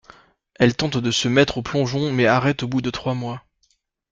Elle tente de se mettre au plongeon mais arrête au bout de trois mois.